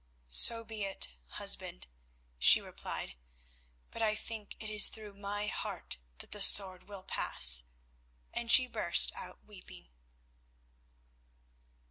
"So be it, husband," she replied, "but I think it is through my heart that the sword will pass," and she burst out weeping.